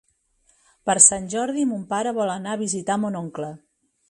Per Sant Jordi mon pare vol anar a visitar mon oncle.